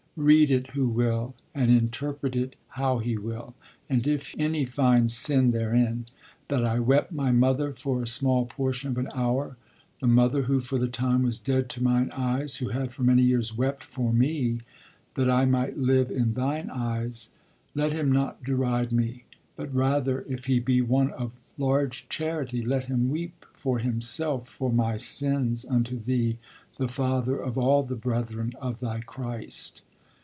Read it who will, and interpret it how he will: and if any finds sin therein, that I wept my mother for a small portion of an hour (the mother who for the time was dead to mine eyes, who had for many years wept for me that I might live in Thine eyes), let him not deride me; but rather, if he be one of large charity, let him weep for himself for my sins unto Thee, the Father of all the brethren of Thy Christ.'